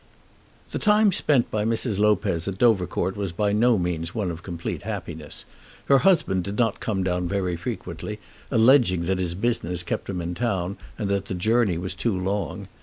The time spent by Mrs. Lopez at Dovercourt was by no means one of complete happiness. Her husband did not come down very frequently, alleging that his business kept him in town, and that the journey was too long.